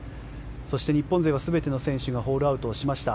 そして、日本勢は全ての選手がホールアウトしました。